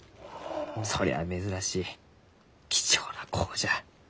それは珍しい貴重な子じゃ。